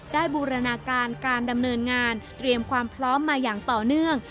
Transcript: บูรณาการการดำเนินงานเตรียมความพร้อมมาอย่างต่อเนื่อง